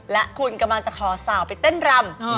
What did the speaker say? และคุณกำลังจะขอสาวไปเต้นรำ